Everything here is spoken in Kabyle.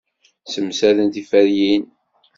Ssemsaden tiferyin.